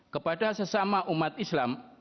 kepada sesama umat islam